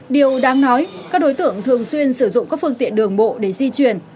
điều đáng nói các đối tượng thường xuyên sử dụng các phương tiện đường bộ để di chuyển